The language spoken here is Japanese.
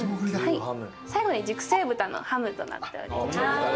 最後に熟成豚のハムとなっております。